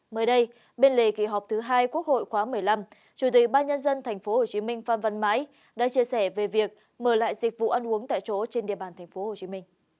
mới đây bên lề kỳ họp thứ hai quốc hội khoáng một mươi năm chủ tịch ban nhân dân tp hcm pham văn mãi đã chia sẻ về việc mở lại dịch vụ ăn uống tại chỗ trên địa bàn tp hcm